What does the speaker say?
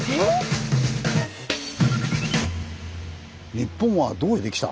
「『日本』はどうできた？」。